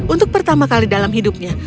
untuk pertama kali dalam hidupnya